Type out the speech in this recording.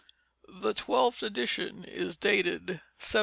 The twelfth edition is dated 1733.